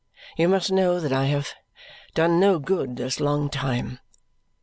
You must know that I have done no good this long time.